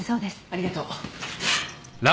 ありがとう。